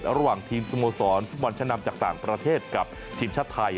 ระหว่างทีมสโมสรฟุตบอลชั้นนำจากต่างประเทศกับทีมชาติไทย